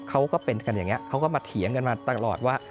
เขาก็เป็นกันอย่างนี้เขาก็มาเถียงกันมาตลอดว่า